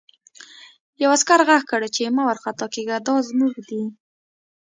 یوه عسکر غږ کړ چې مه وارخطا کېږه دا زموږ دي